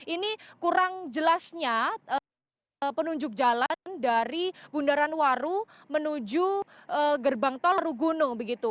ini kurang jelasnya penunjuk jalan dari bundaran waru menuju gerbang tol ruguno begitu